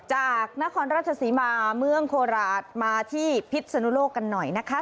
จากนครราชศรีมาเมืองโคราชมาที่พิษนุโลกกันหน่อยนะคะ